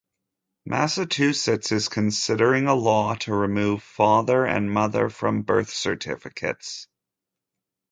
Massachusetts is considering a law to remove "father" and "mother" from birth certificates.